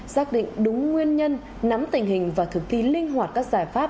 xác định đúng nguyên nhân nắm tình hình và thực thi linh hoạt các giải pháp